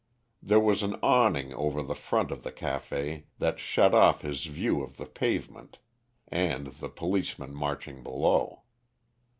There was an awning over the front of the café that shut off his view of the pavement and the policeman marching below.